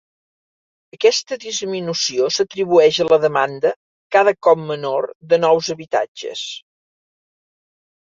Aquesta disminució s'atribueix a la demanda cada cop menor de nous habitatges.